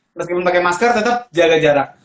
meskipun pakai masker tetap jaga jarak